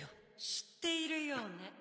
知っているようね。